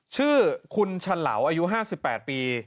ชื่อคุณฉลาอายุ๕๘ปี